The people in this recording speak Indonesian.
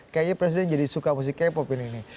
kayaknya presiden jadi suka musik k pop ini nih